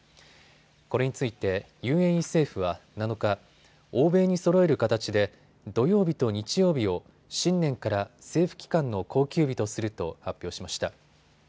これについてＵＡＥ政府は７日、欧米にそろえる形で土曜日と日曜日を新年から政府機関の公休日とすると発表しました。